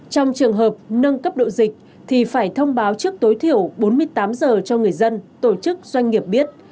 trong trường hợp nâng cấp độ dịch thì phải thông báo trước tối thiểu bốn mươi tám giờ cho người dân tổ chức doanh nghiệp biết